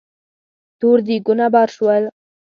تور دېګونه بار شول.